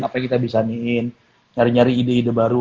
apa yang kita bisa niin nyari nyari ide ide baru